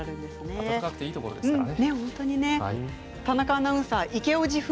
あたたかくていいところですからね。